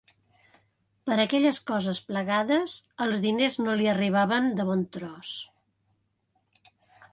Per a aquelles coses plegades els diners no li arribaven de bon tros.